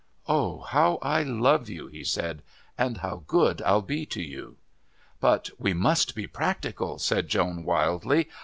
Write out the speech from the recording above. "Oh, how I love you!" he said, "and how good I'll be to you!" "But we must be practical," said Joan wildly.